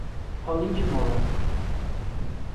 Rolim de Moura